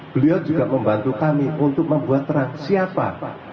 beliau juga membantu kami untuk membuat terang siapa